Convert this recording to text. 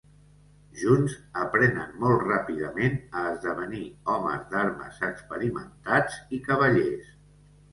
Junts, aprenen molt ràpidament a esdevenir homes d'armes experimentats i cavallers.